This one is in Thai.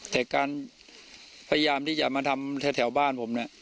แต่การพยายามที่จะมาทำแถวบ้านผมเนี่ย